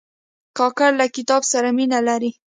کاکړ له کتاب سره مینه لري.